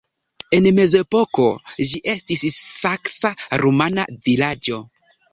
En mezepoko ĝi estis saksa-rumana vilaĝo.